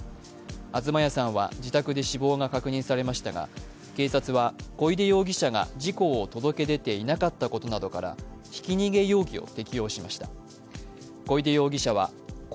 東谷さんは自宅で死亡が確認されましたが、警察は小出容疑者が事故を届け出ていなかったことなどからさあ、ここからは「ＴＩＭＥ，スポーツ」